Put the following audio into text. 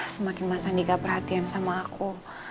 semakin mas andika perhatian sama aku